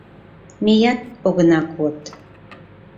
Меат огына код...